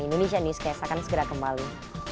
indonesia newscast akan segera kembali